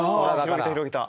広げた広げた。